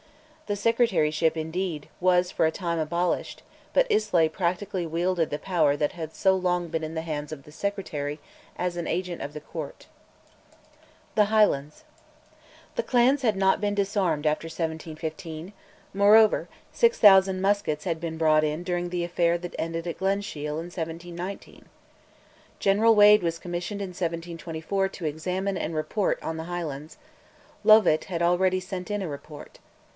The Secretaryship, indeed, was for a time abolished, but Islay practically wielded the power that had so long been in the hands of the Secretary as agent of the Court. THE HIGHLANDS. The clans had not been disarmed after 1715, moreover 6000 muskets had been brought in during the affair that ended at Glenshiel in 1719. General Wade was commissioned in 1724 to examine and report on the Highlands: Lovat had already sent in a report.